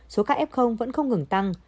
số ca f vẫn không ngừng tăng